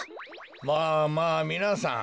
まあまあみなさん。